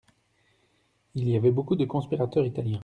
Il y avait beaucoup du conspirateur italien.